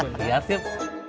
ya bu lihat yuk